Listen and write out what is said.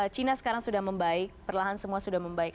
cina sekarang sudah membaik perlahan semua sudah membaik